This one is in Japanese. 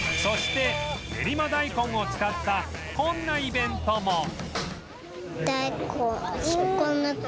そして練馬大根を使ったこんなイベントも